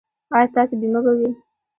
ایا ستاسو بیمه به وي؟